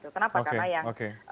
kenapa karena yang